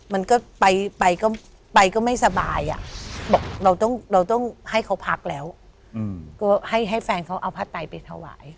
มันก็ไปก็ไปก็ไม่สบายอ่ะบอกเราต้องให้เขาพักแล้วก็ให้แฟนเขาเอาผ้าไตไปถวาย